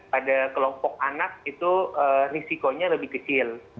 pada kelompok anak itu risikonya lebih kecil